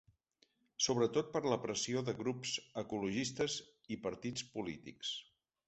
Sobretot per la pressió de grups ecologistes i partits polítics.